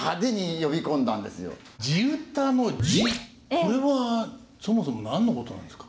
これはそもそも何のことなんですか？